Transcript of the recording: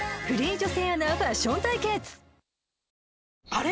あれ？